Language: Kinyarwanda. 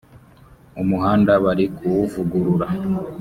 umuhanda barikuwuvugurura.